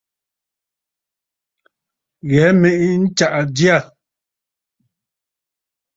Ghɛ̀ɛ mèʼe ntsàʼà jyâ.